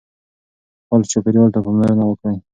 خپل چاپېریال ته پاملرنه وکړئ.